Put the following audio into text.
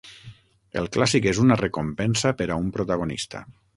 El clàssic és una recompensa per a un protagonista.